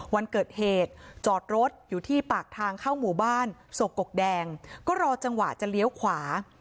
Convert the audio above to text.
วันเกิดเหตุจอดรถอยู่ที่ปากทางเข้าหมู่บ้านโศกกแดงก็รอจังหวะจะเลี้ยวขวา